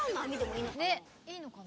いいのかな？